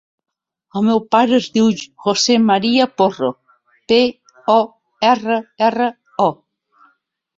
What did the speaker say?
El meu pare es diu José maria Porro: pe, o, erra, erra, o.